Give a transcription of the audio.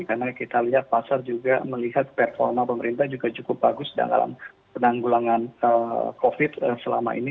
karena kita lihat pasar juga melihat performa pemerintah juga cukup bagus dalam penanggulangan covid sembilan belas selama ini